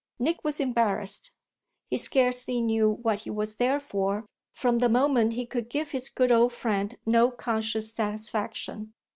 Nick was embarrassed: he scarcely knew what he was there for from the moment he could give his good old friend no conscious satisfaction.